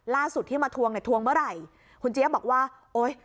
ล่าสุดที่มาทวงเนี่ยทวงเมื่อไหร่คุณเจี๊ยบบอกว่าโอ๊ย